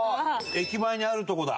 駅前にあるとこだ。